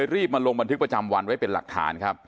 รีบมาลงบันทึกประจำวันไว้เป็นหลักฐานครับ